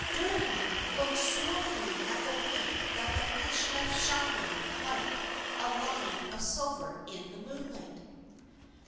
Dermod looked sorrowfully at the wake that the fish left shining like a line of silver in the moonlight.